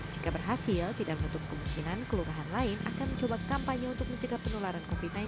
jika berhasil tidak menutup kemungkinan kelurahan lain akan mencoba kampanye untuk mencegah penularan covid sembilan belas